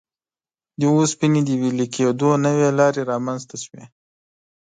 د اوسپنې د وېلې کېدو نوې لارې رامنځته شوې.